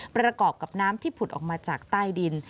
ประกอบกับน้ำที่ผุดออกมาจากใต้ดิน